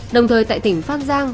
đồng thời tại tỉnh phát giang